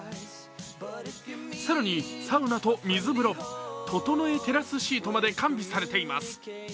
更に、サウナと水風呂、ととのえテラスシートまで完備されています。